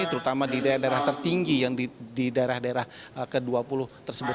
terutama di daerah daerah tertinggi yang di daerah daerah ke dua puluh tersebut